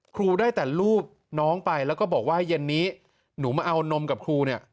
ครูได้แต่รูปน้องไปแล้วก็บอกว่าเย็นนี้หนูมาเอานมกับครูเนี่ย